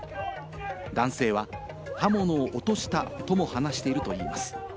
男性は刃物を落としたとも話しているといいます。